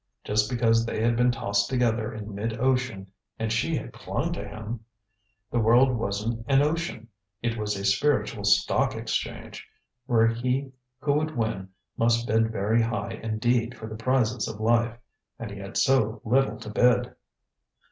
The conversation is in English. Just because they had been tossed together in mid ocean and she had clung to him. The world wasn't an ocean; it was a spiritual stock exchange, where he who would win must bid very high indeed for the prizes of life. And he had so little to bid!